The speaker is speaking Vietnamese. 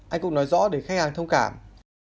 anh cũng nói rõ để khách hàng thông cảm